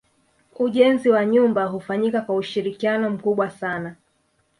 Ujenzi wa nyumba hufanyika kwa ushirikiano mkubwa sana